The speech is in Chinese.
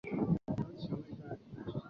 它基本上就是一个气球